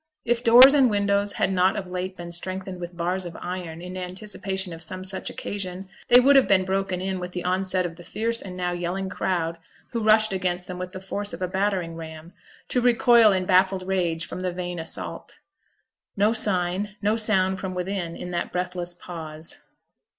If doors and windows had not of late been strengthened with bars of iron in anticipation of some such occasion, they would have been broken in with the onset of the fierce and now yelling crowd who rushed against them with the force of a battering ram, to recoil in baffled rage from the vain assault. No sign, no sound from within, in that breathless pause.